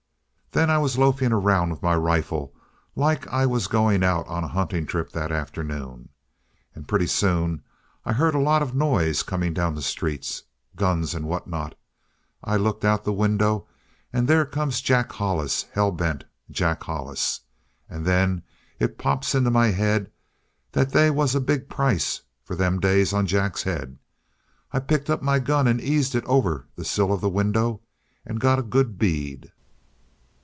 "Then I was loafing around with my rifle, like I was going out on a hunting trip that afternoon. And pretty soon I heard a lot of noise coming down the street, guns and what not. I look out the window and there comes Jack Hollis, hellbent! Jack Hollis! And then it pops into my head that they was a big price, for them days, on Jack's head. I picked up my gun and eased it over the sill of the window and got a good bead.